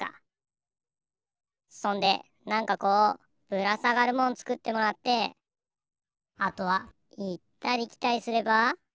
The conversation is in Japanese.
そんでなんかこうぶらさがるもんつくってもらってあとはいったりきたりすれば。